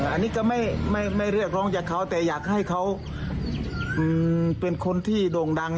อันนี้ก็ไม่เรียกร้องจากเขาแต่อยากให้เขาเป็นคนที่โด่งดัง